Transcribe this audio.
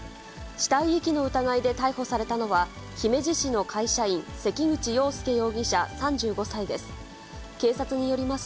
死体遺棄の疑いで逮捕されたのは、姫路市の会社員、関口羊佑容疑者３５歳です。